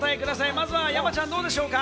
まずは山ちゃん、どうでしょうか？